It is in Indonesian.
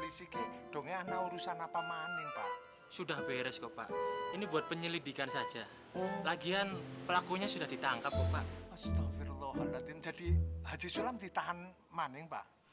ini sudah beres kok pak ini buat penyelidikan saja lagian pelakunya sudah ditangkap pak